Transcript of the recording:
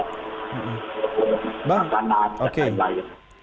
makanan dan lain lain